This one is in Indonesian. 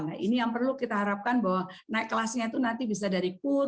nah ini yang perlu kita harapkan bahwa naik kelasnya itu nanti bisa dari pool